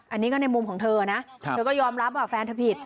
อันนี้ก็ในมุมของเธอนะเธอก็ยอมรับว่าแฟนเธอผิด